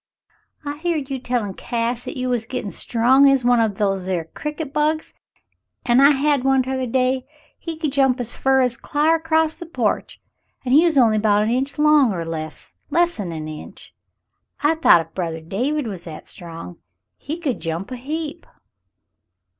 "I heered you tellin' Cass 'at you was gettin' strong as one o' these here cricket bugs, an' I had one t'other day ; he could jump as fer as cl'ar acrost the po'ch — and he was only 'bout a inch long — er less 'n a inch. I thought if brothah David was that strong, he could jump a heap."